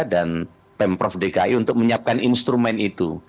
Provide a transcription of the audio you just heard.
dan pemprov dki untuk menyiapkan instrumen itu